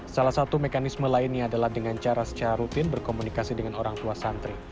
salah satu mekanisme lainnya adalah dengan cara secara rutin berkomunikasi dengan orang tua santri